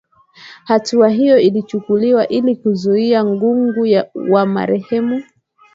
Hatua hiyo ilichukuliwa ili kuzuia ngugu wa marehemu